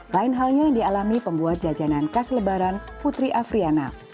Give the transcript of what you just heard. lain halnya yang dialami pembuat jajanan khas lebaran putri afriana